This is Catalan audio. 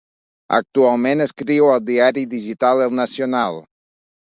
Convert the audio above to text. Actualment escriu al diari digital El Nacional.